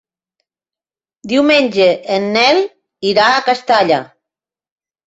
Diumenge en Nel irà a Castalla.